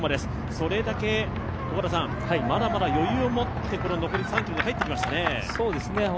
それだけまだまだ余裕を持って残り３ｋｍに入ってきましたね。